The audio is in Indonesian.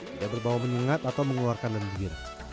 tidak berbau meningat atau mengeluarkan lembir